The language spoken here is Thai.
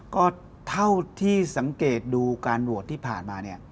ก็เท่าที่สังเกตดูการโหวตที่ผ่านมาเนี่ย